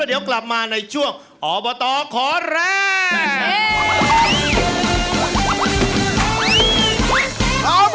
แล้วเดี๋ยวกลับมาในส่วนอขอแรง